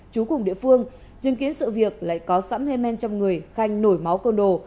trú cùng địa phương dân kiến sự việc lại có sẵn hên men trong người khanh nổi máu cơn đồ